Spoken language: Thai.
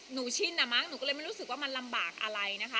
ชินอะมั้งหนูก็เลยไม่รู้สึกว่ามันลำบากอะไรนะคะ